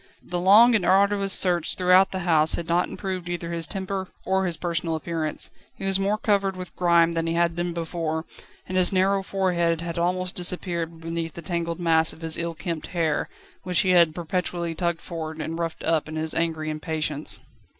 The long and arduous search throughout the house had not improved either his temper or his personal appearance. He was more covered with grime than he had been before, and his narrow forehead had almost disappeared beneath the tangled mass of his ill kempt hair, which he had perpetually tugged forward and roughed up in his angry impatience.